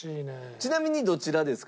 ちなみにどちらですか？